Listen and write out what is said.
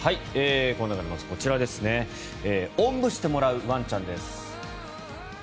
こちらですねおんぶしてもらうワンちゃんです。